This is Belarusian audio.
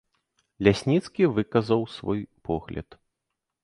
Лясніцкі выказаў свой погляд.